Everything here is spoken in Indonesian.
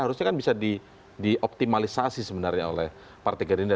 harusnya kan bisa dioptimalisasi sebenarnya oleh partai gerindra